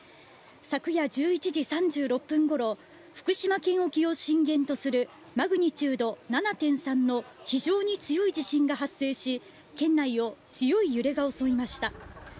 昨夜１１時３６分ごろ福島県沖を震源とするマグニチュード７．３の非常に強い地震が発生し県内を非常に強い揺れが襲いました。